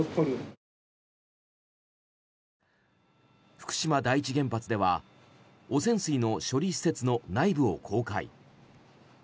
福島第一原発では汚染水の処理施設の内部を公開。